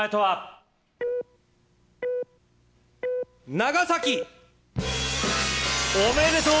長崎おめでとう！